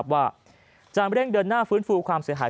ว่าจะเร่งเดินหน้าฟื้นฟูความเสียหาย